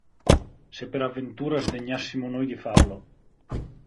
Se per avventura sdegnassimo noi di farlo.